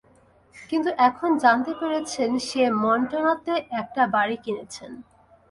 কিন্তু এখন জানতে পেরেছেন, সে মনটানাতে একটা বাড়ি কিনেছে।